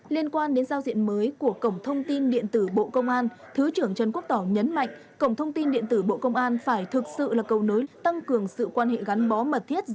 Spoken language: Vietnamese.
liên quan đến giao diện mới của cổng thông tin điện tử bộ công an thứ trưởng trần quốc tỏ nhấn mạnh cổng thông tin điện tử bộ công an phải thực sự là cầu nối tăng cường sự quan hệ gắn bó mật thiết